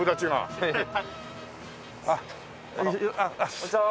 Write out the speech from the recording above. こんにちは。